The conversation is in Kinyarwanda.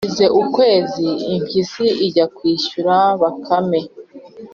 Hashize ukwezi impyisi ijya kwishyuza Bakame